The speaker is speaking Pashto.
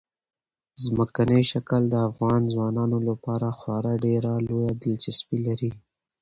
ځمکنی شکل د افغان ځوانانو لپاره خورا ډېره لویه دلچسپي لري.